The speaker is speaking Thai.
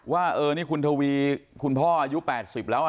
ว่าเออนี่คุณทวีคุณพ่ออายุ๘๐แล้ว